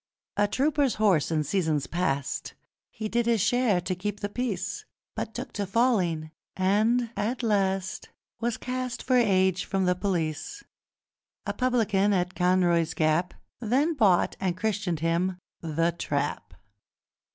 A trooper's horse in seasons past He did his share to keep the peace, But took to falling, and at last Was cast for age from the Police. A publican at Conroy's Gap Then bought and christened him The Trap.